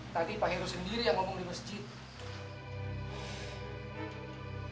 tadi pak heru sendiri yang ngomong di masjid